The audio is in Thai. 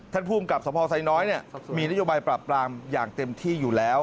ท่านผู้มกับสมภสัยน้อยเนี่ยมีนโยบายปรับปรามอย่างเต็มที่อยู่แล้ว